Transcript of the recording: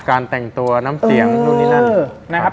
การแต่งตัวน้ำเตียงนู่นนี่นั่น